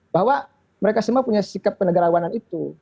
bahwa mereka semua punya sikap kenegarawanan itu